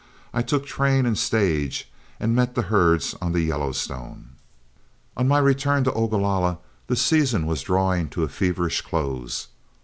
I took train and stage and met the herds on the Yellowstone. On my return to Ogalalla the season was drawing to a feverish close.